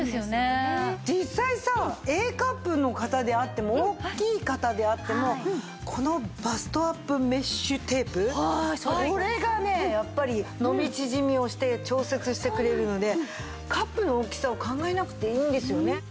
実際さＡカップの方であっても大きい方であってもこのバストアップメッシュテープこれがねやっぱり伸び縮みをして調節してくれるのでカップの大きさを考えなくていいんですよね。